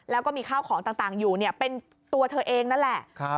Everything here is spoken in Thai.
แล้วก็มีข้าวของต่างอยู่เป็นตัวเธอเองนั่นแหละ